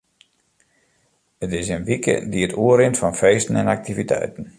It is in wike dy't oerrint fan feesten en aktiviteiten.